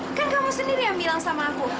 eh kan kamu sendiri yang bilang sama aku